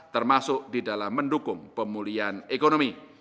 termasuk di dalam mendukung pemulihan ekonomi